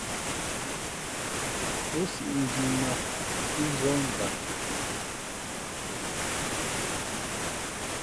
Ǒ siʼ njǐ nāt pí zᾱh ndam.